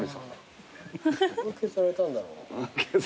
ここも削られたんだろう。